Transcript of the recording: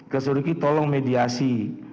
kesuruhi tolong mediasi